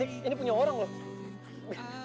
ini punya orang loh